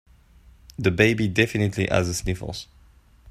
The baby definitely has the sniffles.